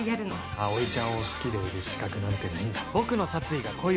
葵ちゃんを好きでいる資格なんてないんだ。